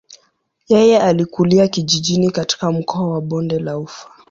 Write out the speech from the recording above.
Yeye alikulia kijijini katika mkoa wa bonde la ufa.